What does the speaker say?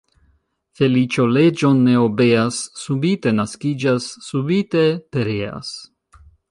Feliĉo leĝon ne obeas, subite naskiĝas, subite pereas.